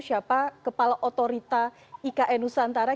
siapa kepala otorita ikn nusantara